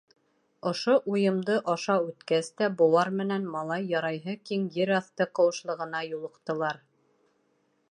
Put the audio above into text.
Ошо уйымды аша үткәс тә быуар менән малай ярайһы киң ер аҫты ҡыуышлығына юлыҡтылар.